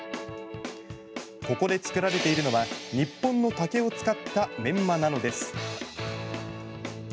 ここで作られているのは日本の竹を使ったメンマなのです。